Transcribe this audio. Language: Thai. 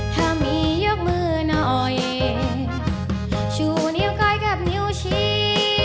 ถ้ามียอกมือน้อยชูนิ้วใกล้กับนิ้วชี